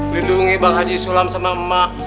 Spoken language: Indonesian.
lindungi bang haji sulam sama emak